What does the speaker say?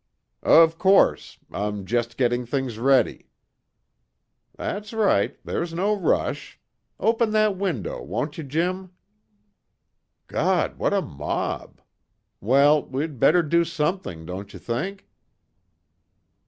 "Of course. I'm just getting things ready." "That's right. There's no rush. Open that window, won't you Jim?" "God, what a mob. Well, we'd better do something, don't you think?"